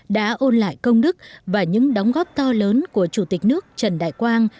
đã ôn lại công đức và những đóng góp to lớn của chủ tịch nước trần đại quang